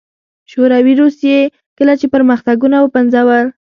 شوروي روسيې کله چې پرمختګونه وپنځول